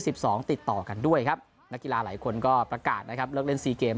สองติดต่อกันด้วยครับนักกีฬาหลายคนก็ประกาศนะครับเลิกเล่นซีเกม